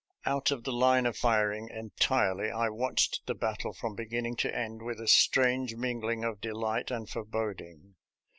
Out of the line of firing entirely, I watched the battle from beginning to end with a strange mingling of delight and foreboding.